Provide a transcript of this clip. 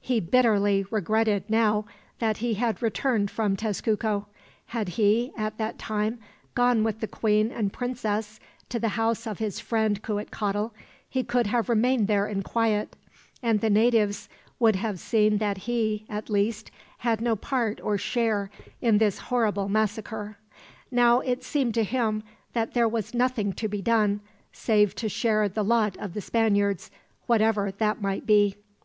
He bitterly regretted, now, that he had returned from Tezcuco. Had he, at that time, gone with the queen and princess to the house of his friend Cuitcatl, he could have remained there in quiet; and the natives would have seen that he, at least, had no part or share in this horrible massacre. Now it seemed to him that there was nothing to be done, save to share the lot of the Spaniards, whatever that might be.